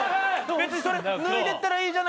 別にそれ脱いでったらいいじゃないの。